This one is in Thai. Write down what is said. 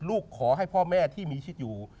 ลูกขอให้พ่อแม่ที่มีชิดอยู่